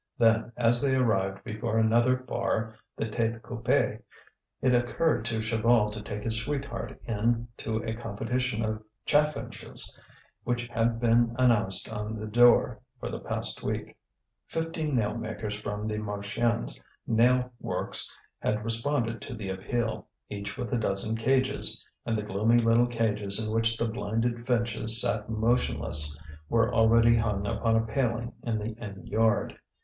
Then, as they arrived before another bar, the Tête Coupée, it occurred to Chaval to take his sweetheart in to a competition of chaffinches which had been announced on the door for the past week. Fifteen nail makers from the Marchiennes nail works had responded to the appeal, each with a dozen cages; and the gloomy little cages in which the blinded finches sat motionless were already hung upon a paling in the inn yard.